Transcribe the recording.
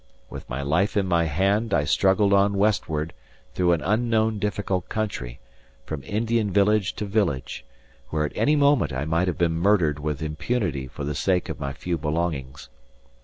With my life in my hand I struggled on westward through an unknown difficult country, from Indian village to village, where at any moment I might have been murdered with impunity for the sake of my few belongings.